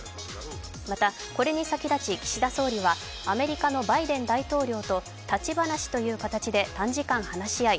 また、これに先立ち岸田総理はアメリカのバイデン大統領と立ち話という形で短時間話し合い